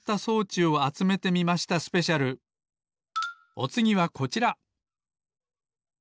おつぎはこちら！